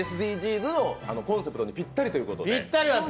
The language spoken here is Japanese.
ＳＤＧｓのコンセプトにぴったりということで。